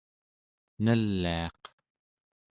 neliaq